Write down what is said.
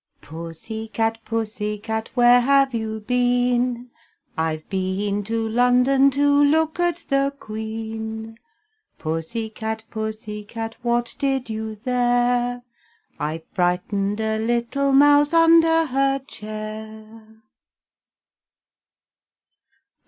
Pussy cat, pussy cat, Where have you been? I've been to London To look at the Queen Pussy cat, pussy cat, What did you there? I frightened a little mouse Under her chair.